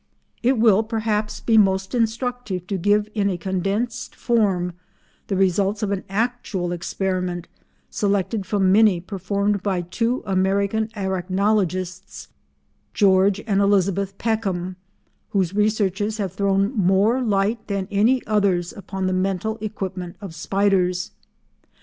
It will perhaps be most instructive to give in a condensed form the results of an actual experiment selected from many performed by two American arachnologists, George and Elizabeth Peckham, whose researches have thrown more light than any others upon the mental equipment of spiders.